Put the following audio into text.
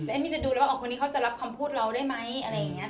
เอมมี่จะดูแล้วว่าคนนี้เขาจะรับคำพูดเราได้ไหมอะไรอย่างนี้